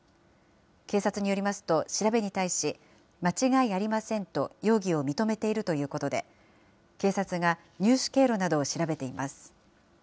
警察によりますと、調べに対し、間違いありませんと容疑を認めているということで、警察が入手経路などを調べています。